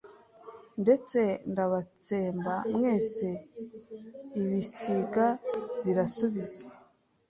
Ndetse ndabatsemba mwese Ibisiga birasubiza